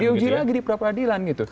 diuji lagi di perapadilan